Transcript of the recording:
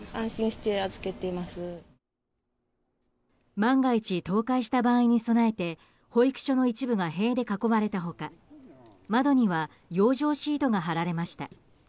万が一、倒壊した場合に備えて保育所の一部が塀で囲まれたほか窓には養生シートが張られました。